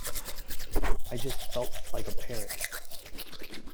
I just felt like a parrot.